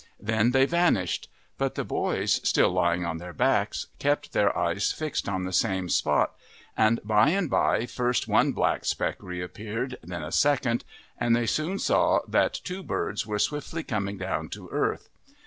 Then they vanished; but the boys, still lying on their backs, kept their eyes fixed on the same spot, and by and by first one black speck reappeared, then a second, and they soon saw that two birds were swiftly coming down to earth.